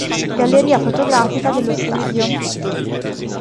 Galleria fotografica dello stadio